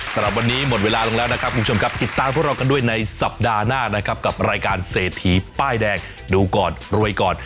สำหรับวันนี้หมดเวลาลงแล้วนะครับคุณผู้ชมครับติดตามพวกเรากันด้วยในสัปดาห์หน้านะครับกับรายการเศรษฐีป้ายแดงดูก่อนรวยก่อน